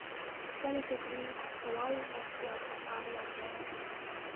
خپله فکري قوه او وړتيا په کار واچوي.